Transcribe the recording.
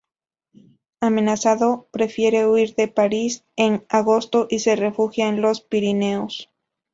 Amenazado, prefiere huir de París en agosto, y se refugia en los Pirineos.